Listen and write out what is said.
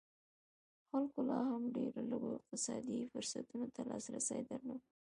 خلکو لا هم ډېرو لږو اقتصادي فرصتونو ته لاسرسی درلود.